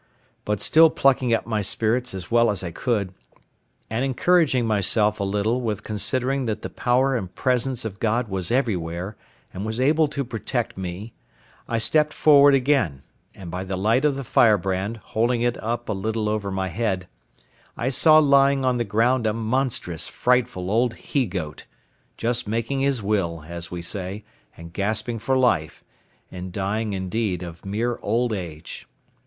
But still plucking up my spirits as well as I could, and encouraging myself a little with considering that the power and presence of God was everywhere, and was able to protect me, I stepped forward again, and by the light of the firebrand, holding it up a little over my head, I saw lying on the ground a monstrous, frightful old he goat, just making his will, as we say, and gasping for life, and, dying, indeed, of mere old age.